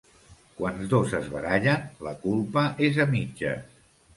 Quan dos es barallen, la culpa és a mitges.